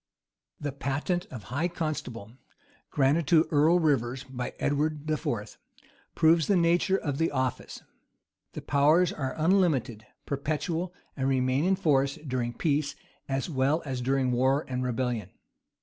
The patent of high constable, granted to Earl Rivers by Edward IV., proves the nature of the office. The powers are unlimited, perpetual, and remain in force during peace as well as during war and rebellion.